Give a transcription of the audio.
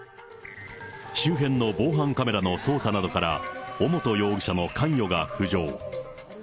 周辺の防犯カメラの捜査などから、尾本容疑者の関与が浮上。